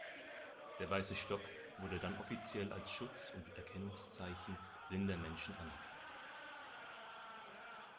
Der weiße Stock wurde dann offiziell als Schutz und Erkennungszeichen blinder Menschen anerkannt.